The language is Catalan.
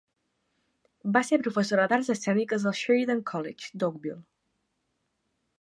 Va ser professora d'arts escèniques al Sheridan College d'Oakville.